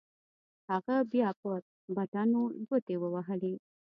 هغه بيا پر بټنو گوټې ووهلې.